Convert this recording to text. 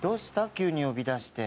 急に呼び出して。